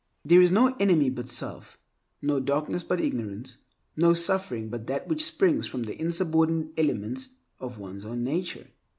There is no enemy but self, no darkness but ignorance, no suffering but that which springs from the insubordinate elements of one's own nature.